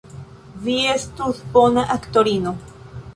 Vi estus bona aktorino.